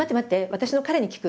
私の彼に聞く。